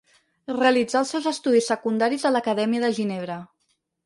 Realitzà els seus estudis secundaris a l'Acadèmia de Ginebra.